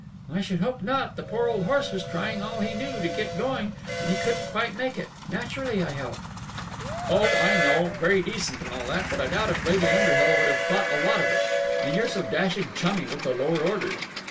"I should hope not. The poor old horse was trying all he knew to get going, and he couldn't quite make it. Naturally, I helped." "Oh, I know. Very decent and all that, but I doubt if Lady Underhill would have thought a lot of it. And you're so dashed chummy with the lower orders."